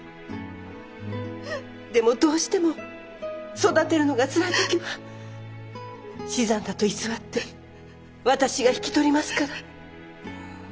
でもどうしても育てるのがつらい時は死産だと偽って私が引き取りますから。